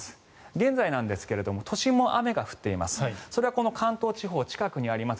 現在なんですが都心も雨が降っています。